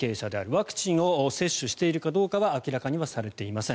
ワクチンを接種しているかどうかは明らかにされていません。